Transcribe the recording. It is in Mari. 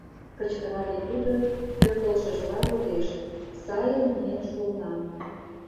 - кычкырале тудо, пӧртылшыжла лудеш: «Сайын миен шуынам».